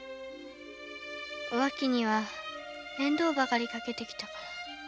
お秋には面倒ばかりかけてきたから形見よ。